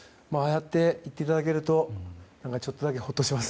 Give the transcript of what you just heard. やって言っていただけるとちょっとだけ、ほっとします。